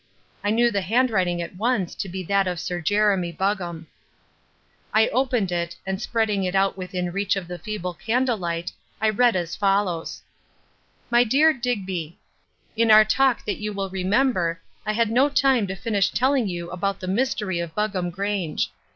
I knew the handwriting at once to be that of Sir Jeremy Buggam. I opened it, and spreading it out within reach of the feeble candlelight, I read as follows: "My dear Digby, "In our talk that you will remember, I had no time to finish telling you about the mystery of Buggam Grange.